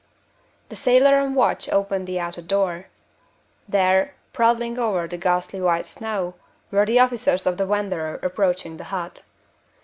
The sailor on watch opened the outer door. There, plodding over the ghastly white snow, were the officers of the Wanderer approaching the hut.